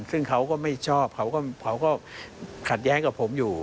ซึ่งเขาก็ไม่ชอบเขาก็ขัดแย้งกับผมอยู่